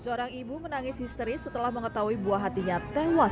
seorang ibu menangis histeris setelah mengetahui buah hatinya tewas